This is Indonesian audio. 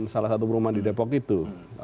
salah satu perumahan di depok itu